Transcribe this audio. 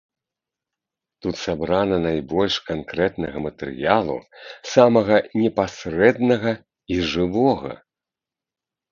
Тут сабрана найбольш канкрэтнага матэрыялу, самага непасрэднага і жывога.